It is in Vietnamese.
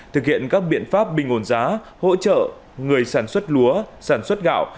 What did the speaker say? thực hiện các biện pháp bình ổn giá hỗ trợ người sản xuất lúa sản xuất gạo